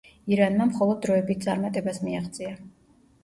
ირანმა მხოლოდ დროებით წარმატებას მიაღწია.